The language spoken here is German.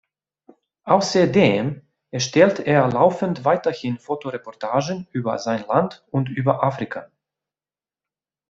Außerdem erstellt er laufend weiterhin Fotoreportagen über sein Land und über Afrika.